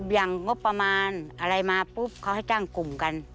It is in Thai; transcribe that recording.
อย่างงบประมาณอะไรมาปุ๊บเขาให้จ้างกลุ่มกัน